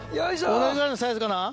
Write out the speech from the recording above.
同じぐらいのサイズかな？